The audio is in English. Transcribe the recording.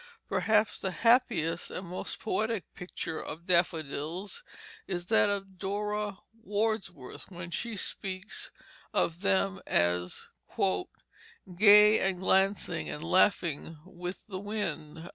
Perhaps the happiest and most poetic picture of daffodils is that of Dora Wordsworth, when she speaks of them as "gay and glancing, and laughing with the wind."